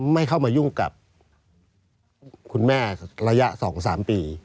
ไม่เข้ามายุ่งกับคุณแม่ระยะ๒๓ปี